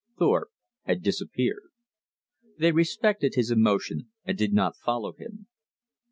Thorpe had disappeared. They respected his emotion and did not follow him.